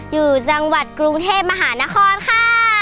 อยู่จังหวัดกรุงเทพมหานครค่ะ